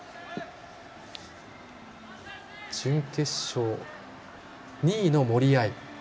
準決勝２位の森秋彩。